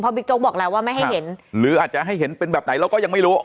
บิ๊กโจ๊กบอกแล้วว่าไม่ให้เห็นหรืออาจจะให้เห็นเป็นแบบไหนเราก็ยังไม่รู้